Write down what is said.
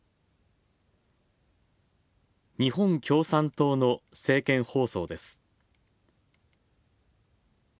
日本共産党の政見放送です。